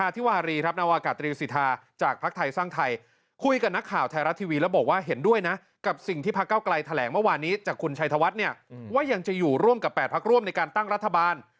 ไทยธวัฒน์เนี่ยว่ายังจะอยู่ร่วมกับ๘ภักดิ์ร่วมในการตั้งรัฐบาล